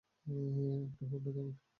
একটু হোল্ডে থাকুন।